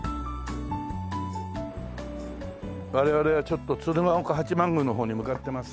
我々はちょっと鶴岡八幡宮の方に向かってます。